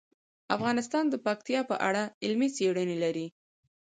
افغانستان د پکتیا په اړه علمي څېړنې لري.